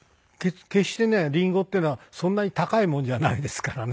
決してねリンゴっていうのはそんなに高いもんじゃないですからね。